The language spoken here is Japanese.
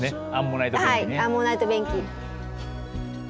アンモナイト便器ね。